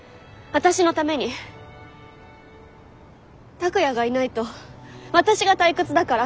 拓哉がいないと私が退屈だから。